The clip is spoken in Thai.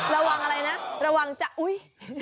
ระวังอะไรนะระวังจะอุ๊ย